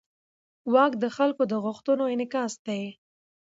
واک د خلکو د غوښتنو انعکاس دی.